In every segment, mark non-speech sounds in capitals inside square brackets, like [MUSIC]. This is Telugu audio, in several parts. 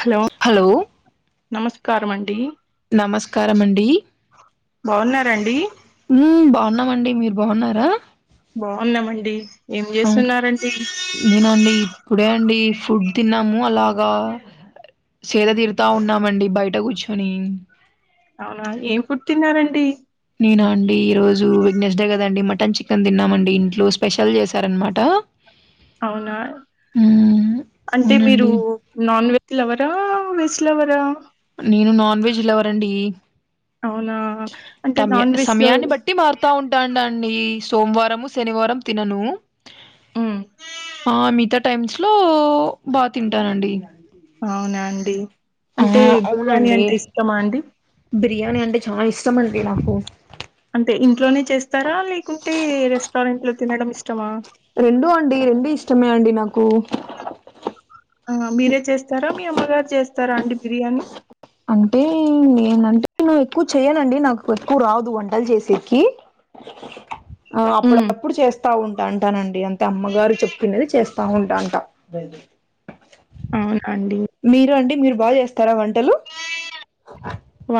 హలో నమస్కారం అండి నమస్కారం అండి బాగున్నార అండి ఊ బాగున్నామండి మీరు బాగున్నార బాన్నామండి అ నేనండి ఇప్పుడే అండి ఫుడ్ తిన్నాము అలాగ సేద తీరుత ఉన్నామండి బయట కూర్చొని అవునా ఏం ఫుడ్ తిన్నారండి నేనా అండి ఈరోజు వెనెస్డే కదండి మటన్ చికెన్ తిన్నామండి ఇంట్లో స్పెషల్ చేశారనమాట అవునా హ్మ్ అంటే మీరు అవునండి నాన్ వెజ్ లవరా వెజ్ లవరా నేను నాన్ వెజ్ లవరండీ అవునా అంటే టమ్య నాన్ వెజ్ లో సమయాన్ని బట్టి మారుతా ఉంటాండండి సోమవారము శనివారం తిననూ ఉమ్ ఆ మితా టైమ్స్ ఇంట్లో బ తింటానండి అవునా అండి ఆ అంటే ఈ బిర్యానీ అవునండి అంటే ఇష్టమా అండి బిర్యానీ అంటే చాల ఇష్టమండి నాకు అంటే ఇంట్లోనే చేస్తార లేకుంటే రెస్టారెంట్ లో తినడం ఇష్టమా రెండూ అండి రెండు ఇష్టమే అండి నాకు ఆ మీరే చేస్తార మీ అమ్మగారు చేస్తార అండి బిర్యానీ అంటే నేనంటే నేను ఎక్కువ చెయనండి నాకు ఎక్కువ రాదు వంటలు చేసేకి ఉ ఆ అప్పుడప్పుడు చేస్త ఉంటా అంటానండి అంతే అమ్మగారు చెప్పినవే చే స్త వుంటన్ట అ అండి బాగ చేస్తార వంటలు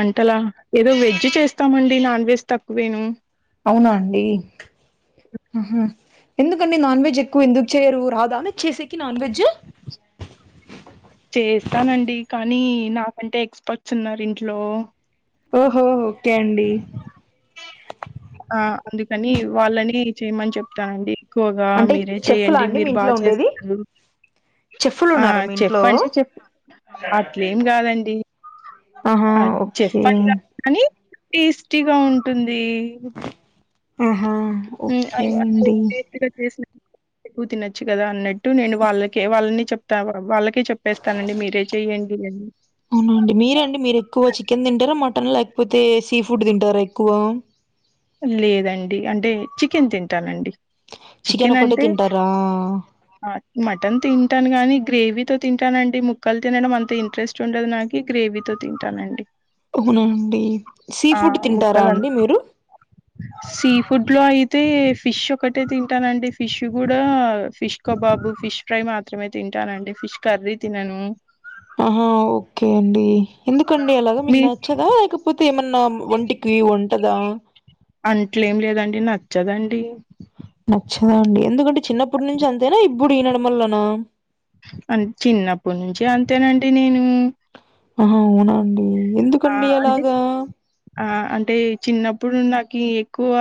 వంటలా ఏదో వెజ్ చేస్తామండి నాన్ వెజ్ తక్కువేను అవునా అండి ఉహూ ఎందుకండి నాన్ వెజ్ ఎక్కువ ఎందుకు చేయరు రాద మీకి చేసేకి నాన్ వెజ్ అమ్ చిక్ చేస్తానండి కానీ నాకంటే ఎక్స్పర్ట్స్ ఉన్నారు ఇంట్లో ఓహో ఒకే అండి ఆ అందుకని వాళ్ళని చేయమని చెప్తానండి ఎక్కువగా అంటే మీరే చెఫ్లా చెయండి అండి మీ మీరు ఇంట్లో బాగ ఉండేది చేస్తారు చెఫ్లు ఆ ఉన్నారా మీ ఇంట్లో చెప్పండి చెప్ అట్లేం కాదండి ఆహా అ చె ఓకే [UNINTELLIGIBLE] గానీ టేస్టీగా ఉంటుంది ఆహా ఓకే [UNINTELLIGIBLE] అండి ఎక్కువ తినొచ్చు కదా అన్నట్టు నేను వాళ్ళకే వాళ్ళని చెప్తా వాళ్ళ చెప్పేస్తానండి మీరే చెయ్యండి అని అవునండి మీరే అండి మీరు ఎక్కువ చికెన్ తింటారా మటన్ లేకపోతే సీ ఫుడ్ తింటారా ఎక్కువ లేదండి అంటే చికెన్ తింటానండి చికెన్ ఒకటే అంటే తింటారా మటన్ తింటాను గాని గ్రేవీతో తింటానండి ముక్కలు తినడం అంత ఇంట్రెస్ట్ ఉండదు నాకి గ్రేవీతో తింటానండి అవునా అండి సీ ఆ! ఫుడ్ తింటారా ముక్కలన్ అండి మీరు సీ ఫుడ్ లో అయితే ఫిష్ ఒకటే తింటానండి ఫిష్ కూడా ఫిష్ కబాబ్ బు ఫిష్ ఫ్రై మాత్రమే తింటానండి ఫిష్ కర్రీ తినను ఆహా ఓకే అండి ఆ, ఎందుకండి అలాగ మీకు మీ నచ్చదా లేకపోతే ఏమన్నా ఒంటికి ఒంటదా చ్చదు అండి ఎందుకండి చిన్నప్పటి నుంచి అంతేనా ఇప్పుడు ఈడనాడమలనా అ చిన్నప్పటి నుంచి అంతేనండి నేను ఆహా అవునా అండి ఆ! ఎందుకండి అంటే అలాగా ఆ అంటే చిన్నప్పుడు నాకు ఎక్కువ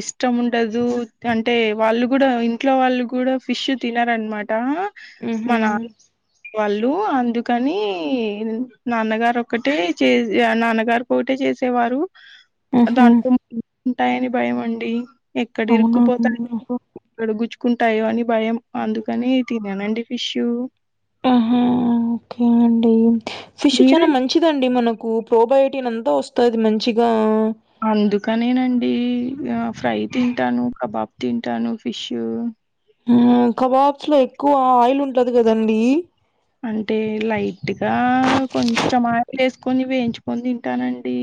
ఇష్టం ఉండదు అంటే వాళ్ళు కూడా ఇంట్లో వాళ్ళు కూడా ఫిష్ తినారు అనమాట ఉహు వాళ్ళు అందుకని నాన్నగారు ఒక్కటే చే మా నాన్నగారు ఒకటే చేసేవారు ఆహా దాంట్లో ముల్లులు ఉంటాయని భయం అండి ఎక్కడ అవునండి ఇరుక్కుపోతాయో ఏక్కడ గుచ్చుకుంటాయో అని భయం అందుకని తిననండి ఫిష్ ఆహా ఓకే అండి ఫిష్ మీరు చానా మంచిది అండి మనకు పోబయోటిన్ అంతా వస్తది మంచిగా అందుకనేనండి ఫ్రై తింటాను కబాబ్ తింటాను ఫిష్ ఆ కబాబ్స్ లో ఎక్కువ ఆయిల్ ఉంటది కదండి అంటే లైట్గా కొంచెం ఆయిల్ వేసుకొని వేయించుకొని తింటానండి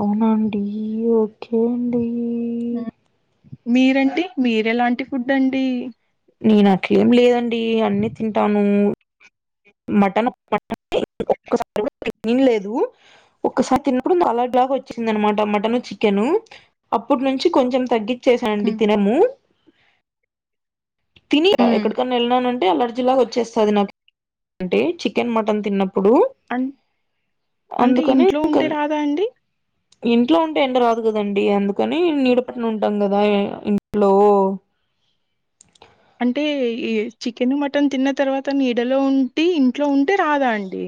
అవునా అండి ఓకే అండి మీరంటి మీరు ఎలాంటి ఫుడ్ అండి నేను అట్లా ఏం లేదండి అన్ని తింటాను మటన్ [INAUDIBLE] తన్లేదు ఒసారి తిన్నప్పుడు అలర్జీ లాగా వచ్చింది అనమాట మటన్ చికెన్ అప్పుడు అప్పుడు నుంచి కొంచెం తగ్గచ్చేసానండి హ్మ్. తినము తిని హ్మ్. ఎక్కడికన్నా వెళ్ళానాను అంటే అలర్జీలాగా వచ్చేస్తుంది నాకు అంటే చికెన్ మటన్ తిన్నప్పుడు అన్ ప్పుడు అంటే అందుకని ఇంట్లో ఉంటే తిన్ను రాదా అండి? ఇంట్లో ఉంటే ఎండ రాదు కదండి అందుకని నీడ పట్న ఉంటాం కదా ఇంట్లో అంటే ఈ చికెన్ మటన్ తిన్న తర్వాత నీడలో ఉంటి ఇంట్లో ఉంటే రాదా అండి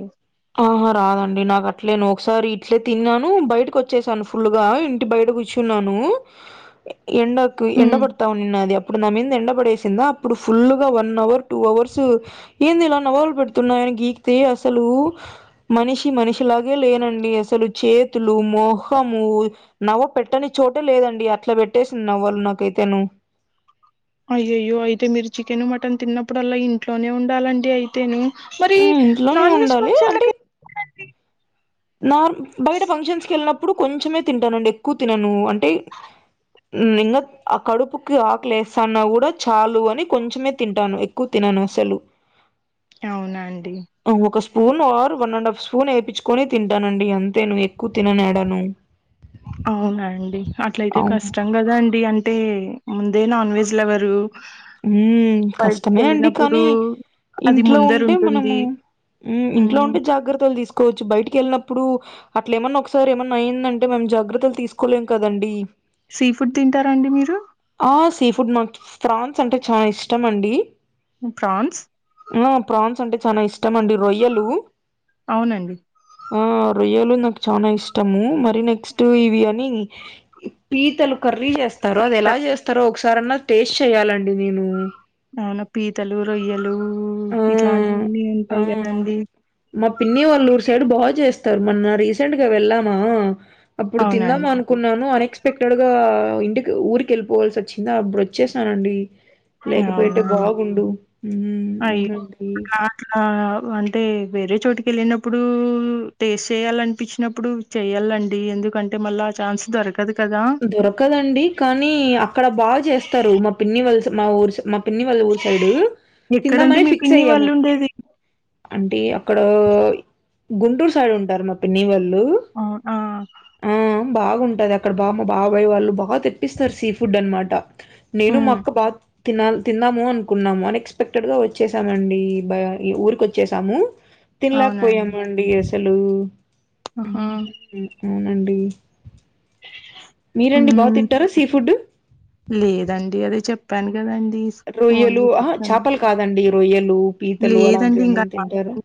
ఆహా రాదండి నాకు అట్లేను ఒకసారి ఇట్లే తిన్నాను బయటకు వచ్చేసాను ఫుల్ గా ఇంటి బయట కూచ్చ తిన్నాను ఎండకు ఎండ హ్మ్. బడతావున్నీనాది అప్ అప్పుడు నా మీద ఎండ పడేసిందా అప్పుడు ఫుల్ గా వన్ అవర్ టూ అవర్స్ ఏంది ఇలా నవ్వలు పెడుతున్నాయి గీకితే అసలు మనిషి మనిషిలాగే లేనండి అసలు చేతులు మోహము నవ్వ పెట్టని చూడ ఒకటే లేదండి అట్లా పెట్టేసింది నవళు నాకైతే నువ్ అయ్యయ్యో అయితే మీరు చికెన్ మటన్ తిన్నప్పుడల్లా ఇంట్లోనే ఉండాలండి అయితేను మరి ఉమ్, ఇంట్లోనే నాన్ వెజ్ ఉండాలి ఫంక్షన్ల అంటే ఎట్లా అండి నార్ బయట ఫంక్షన్స్ కి వెళ్ళినప్పుడు కొంచెమే తింటానండి ఎక్కువ తినను అంటే ఇంకా ఆ కడుపుకి ఆకలి ఏస్తాన్నా కూడా చాలు అని కొంచెమే తింటాను ఎక్కువ తిన ననుసలు అవునా అండి ఒక spoon or one and half spoon వేయించుకొని తింటానండి అంతే నువ్వుక్కువ తిననేడను అవున అండి అట్లయితే కష్టం కదా అండి అంటే అంటే ముందే నాన్ వెజ్ లవరు ఉ బయటికి కష్టమే అండి వెళ్ళినప్పుడు కానీ అది ఇంట్లో ముందర ఉంటే ఉంటుంది మనము ఇంట్లో మ్మ్ ఉంటే జాగ్రత్తలు తీసుకోవచ్చు బయటికి వెళ్ళినప్పుడు అట్ అట్ల ఏమన్నా ఒకసారి ఏమన్నా అయ్యందంటే మేము జాగ్రత్తలు తీసుకోలేం కదండి సీ ఫుడ్ తింటారాండి మీరు ఆ! సీ ఫుడ్ మకు ఫ్రాన్స్ అంటే చాలా ఇష్టం అండి ప్రాన్స్ ఆ ప్రాన్స్ అంటే చాలా ఇష్టం అండి రొయ్యలు అవునండి ఆ రొయ్యలు నాకు చనా ఇష్టము మరి నెక్స్ట్ ఇవి అని పీతలు కర్రీ చేస్తారు అది ఎలా చేస్తారో ఒకసారన్న అది టేస్ట్ చెయ్యాలండి అది నేను అవును పీతలు రొయ్యలు ఆ ఇట్లాంటివన్నీ ఆ ఉంటాయి కదండి మా పిన్ని వాల్లూరు సైడ్ బాగా చేస్తా మొన్న రీసెంట్ గా వెళ్ళామా అప్పుడు తిందామా అవునండి అనుకున్నాను అనెక్స్ క్స్పెక్టెడ్గా ఇంటికి ఊరికి వెళ్ళిపోవాల్సి వచ్చింది అప్పుడు వచ్చేసానండి లేకపోయింటే అవునండి బాగుండు అయ్యో అవునండి. అలా అంటే వేరే చోటికి వెళ్ళినప్పుడు టేస్ట్ చేయాల అనిపించినప్పుడు చెయాలండి ఎందుకంటే మళ్ళీ ఆ ఛాన్స్ దొరకదు కదా దొరకదండి కానీ అక్కడ బాగా చేస్తారు మా పిన్ని వాళ్ళ మా ఊరు మా పిన్ని వాల్ల ఊరు సైడ్ ఎక్కడండి తిందామని మీ ఫిక్స్ పిన్ని అయ్యాము వాళ్ళు ఉండేది అంటే అక్కడ గుంటూరు సైడ్ ఉంటారు మా పిన్ని వాళ్ళు ఆ ఆ ఆ బాగుంటది అక్కడ బామ బాబాయి వాళ్ళు బాగా తెప్పిస్తారు సీ ఫుడ్ అనమాట నేను మా మ్మ్ అక్క బా తినాలి తిందాము అనుకున్నాము అన్ఎక్స్పెక్టెడ్గా వచ్చేసామండి బా ఈ ఊరికి వచ్చేసాము తిల్లాక అవునండి పోయామండి అసలు ఆహా అండి ఊ సీ ఫుడ్? లేదండి అదే చెప్పాను కదండి రొయ్యలు ఆహా చేపలు కాదండి రొయ్యలు పీతలు లేదండి అలాంటివి ఇంకా ఏమనా తింటారా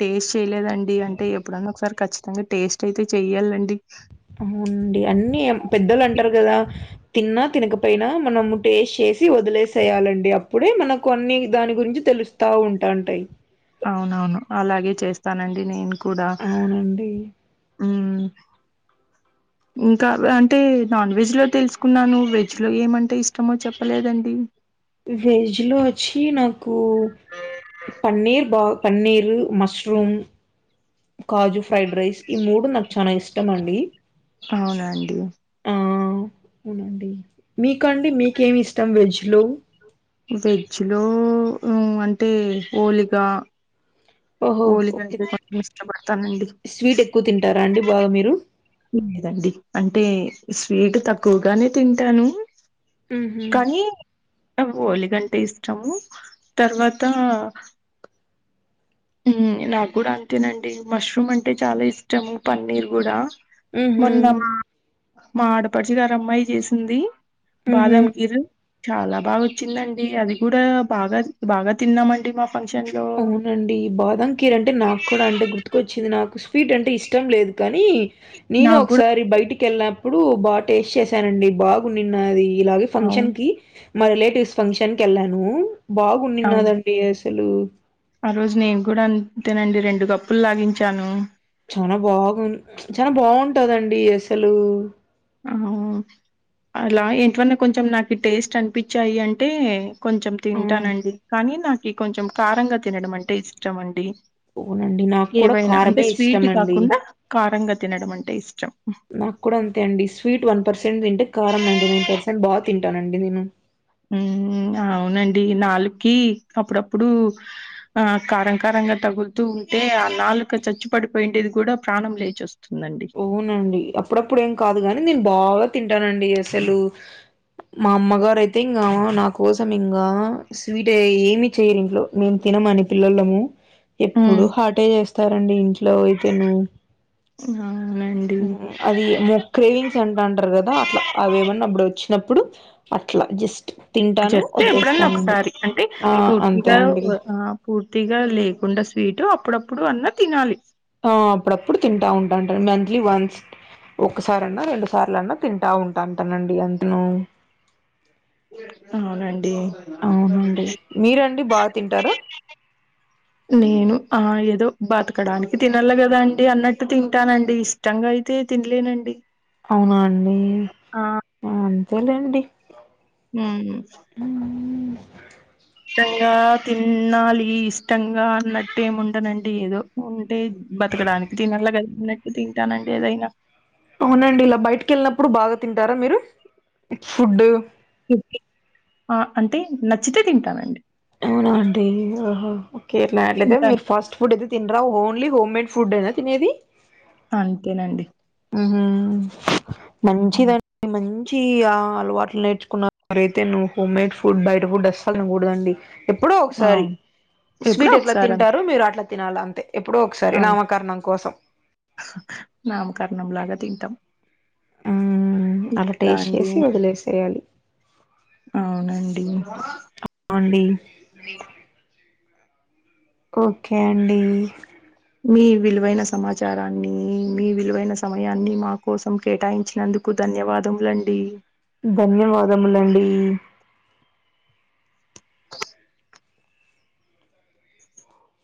టేస్ట్ చేయలేదండి అంటే ఎప్పుడన్నా ఒకసారి ఖచ్చితంగా టేస్ట్ అయితే చెయ్యాలండి అవుండి అన్ని పెద్దళ్లు అంటారు కదా తిన్నా తినకపోయినా మనము టెస్ట్ చే సి వదిలేసేయాలండి అప్పుడే మన కొ అన్ని దాని గురించి తెలుస్తా ఉంటాంటాయి అవునవును అలాగే చేస్తానండి నేను కూడా అవునండి. ఊ ఇంకా అంటే నాన్ వెజ్ లో తెలుసుకున్నాను వెజ్ లో ఏమంటే ఇష్టమో చెప్పలేదండి. వెజ్ లో వచ్చి నాకు పన్నీర్ బా paneer mushroom kaju fried rice ఈ మూడు నాకు చానా ఇష్టం అండి అవునా అండి మీకండి మీకేమి ఇష్టం వెజ్ లో వెజ్ లో ఉ అంటే ఓలిగా ఓహో! ఓలిగా ఓకే. అంటే బాగా ఇష్టపడతానండి స్వీట్ ఎక్కువ తింటారా అండి బాగా మీరు? లేదండి అంటే స్వీట్ తక్కువగానే తింటాను ఉహు కానీ నాకు ఓలిగం టే ఇష్టము తర్వాత మ్మ్ నాక్కూడా అంతేనండి మష్రూమ్ అంటే చాలా ఇష్టము పన్నీర్ కూడా మ్మ్ హు మొన్న మా మా ఆడపడుచు గారు అమ్మాయి చేసింది ఉహు బాదం ఖీర్ చాలా బాగొచ్చిందండి అది కూడా బాగా బాగా తిన్నామండి మా ఫ్ ఫంక్షన్ లో అవునండి బాదం ఖీర్ అంటే నాక్కుడ అంటే గుర్తుకొచ్చింది నాకు స్వీట్ అంటే ఇష్టం లేదు కానీ నేను నాకు కూడా ఒకసారి అంతే బైటికి వెళ్నప్పుడు బా టేస్ట్ చేసానండి బాగుండినాది ఇలాగే అవును ఫంక్షన్ కి మా రిలేటివ్స్ ఫంక్షన్ కి వెళ్ళాను అవును బాగుండిన్నాదండి అస్ సలు ఆ రోజు నేను కూడ అంతేనండి రెండు కప్పులు లాగించాను చానా బాగుం చానా బాగుంటాదండి అసలు ఆ అలా ఏంటివన్నా కొంచెం నాకు టేస్ట్ అనిపించాయి అంటే కొంచెం ఆ తింటానండి కానీ నాకి కొంచెం కారంగా తినడం అంటే ఇష్టం అండి అవునండి నాకు కూడా ఏవైనా అంటే కారమే ఇష్టం స్వీట్ అండి కాకుండ కారంగా తినడం అంటే ఇష్టం నాక్కూడా అంతే అండి స్వీట్ వన్ పర్సెంట్ తింటే కారం నైంటీ నైన్ పర్సెంట్ బా తింటానండి నేను ఉమ్ హ్ అవునండి నాలుక్కి అప్పుడప్పుడు ఆ కారం కారంగా తగులుతుం టే ఆ నాలుక చచ్చు పడిపోయిండేది కూడ ప్రాణం లేచొస్ అవునండి అప్పుడప్పుడు ఏం కాదు గాని నేను బాగా తింటానండి అసలు మా అమ్మగారు అయితే ఇంగా నా కోసం ఇంగా స్వీట్ ఏమీ చేయరు ఇంట్లో మేం తి నమని పిల్లోల్లము ఎప్పుడు హ్మ్. హాటే చేస్తారండి ఇంట్లో అయితేను అవునండి. మ్మ్ అది ఎమో క్రేవింగ్స్ అంటా అంటరు కదా అట్లా అవి ఏమన్నా అబ్బుడొచ్చి నప్పుడు అట్ల జస్ట్ తింటాను జస్ట్ ఎప్పుడన్నా వదిలేస్తానండి ఒకసారి అంటే ఆ అంతే పూర్తిగా అండి వ అ ఆపూర్తి గాలేకుండా స్వీట్ అప్పుడప్పుడు అన్న తినాలి ఆ అప్పుడప్పుడు తింటా ఉంటాంటరు [UNINTELLIGIBLE] న్లీవన్స్ ఒక్కసారన్నా రెండుసార్లన్నా తింటా ఉంటాం టానండి అంతేను అవునండి అవునండి మీరండి బాగ తింటారా నేను ఆ ఏదో బతకడానికి తినాల్ల కదా అండి అన్నట్టు తింటానండి ఇష్టంగా అయి తే తినలేనండి అవునా అండి ఆ అంతేలేండి ఉమ్ ఉ ఇష్టంగా తిన్నాలి ఇష్టంగా అన్నట్టేమి ఉండదండి ఏదో ఉం టే బతకడానికి తినాల కదాన్నట్టు తింటనండి ఏదైనా అవునండి ఇల బయటికి వెళ్ళినప్పుడు బాగా తింటారా మీరు ఫుడ్డు అంటే నచ్చితే తింటానండి అవునా అండి ఓహో ఓకే ఎట్లాట్లయితే తింటాను మీరు ఫాస్ట్ ఫుడ్ ఇది తినరా ఓన్లీ హోమ్ మేడ్ ఫుడ్డేనా తినెది అంతేనండి ఉహు మంచిదన్ మన్ చి ఆ అలవాటులు నేర్చుకున్న మరైతే నువ్వు హోమ్మేడ్ ఫుడ్ బయట ఫుడ్ అస్సలు తినకూడదండి ఎప్పుడో ఆ ఒకసారి ఎప్పుడో స్వీట్ ఎట్ల ఒకసారి అంతే తింటారు మీరు అట్లా తినాల అంతే ఎప్పుడో ఒకసారి ఆ నామకరణం కోసం కరణంలాగా తింటాం ఊ అలా ఇంకా టేస్ట్ అండి చేసి వదిలేసేయ్యాలి అవునండి అండి ఓకే అండి మీ విలువైన సమాచారాన్ని మీ విలువైన సమయాన్ని మా కోసం కేటాయించినందుకు ధన్యవాదములండి ధన్యవాదములండి